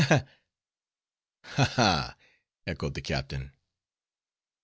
ha!" echoed the captain.